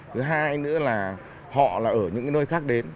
thứ hai nữa là họ ở những nơi khác đến